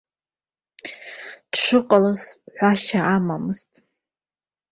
Дшыҟалаз ҳәашьа амамызт.